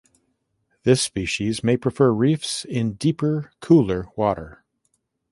This species may prefer reefs in deeper cooler water.